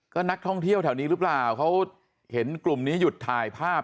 ก็นักท่องเที่ยวแถวนี้หรือเปล่าเขาเห็นกลุ่มนี้หยุดถ่ายภาพ